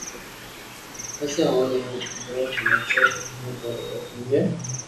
پسي اوني ھين روز ھماجو ھون پر او ھمجي